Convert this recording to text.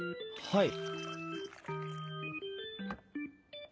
はい。